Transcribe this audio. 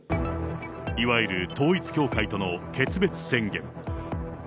いわゆる統一教会との決別宣言。